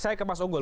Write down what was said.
saya ke mas unggul